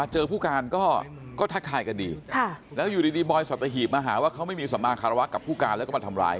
หน่อยแค่ยังสามสัตว์แล้วทุกดิ่ง